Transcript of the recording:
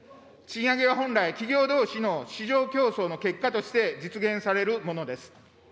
賃上げは本来、企業どうしの市場競争の結果として実現されるものです。